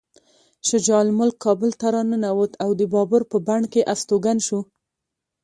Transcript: شجاع الملک کابل ته راننوت او د بابر په بڼ کې استوګن شو.